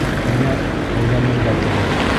Һиңә әйләнергә кәрәк.